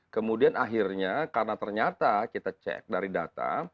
kemudian akhirnya karena ternyata kita cek dari data